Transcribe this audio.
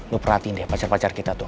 lu perhatiin deh pacar pacar kita tuh